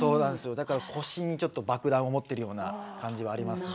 だから腰にちょっと爆弾を持ってるような感じはありますね。